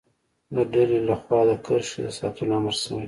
د ډلې له خوا د کرښې د ساتلو امر شوی.